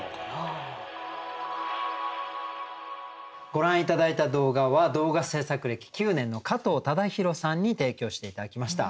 ご覧頂いた動画は動画制作歴９年の加藤忠宏さんに提供して頂きました。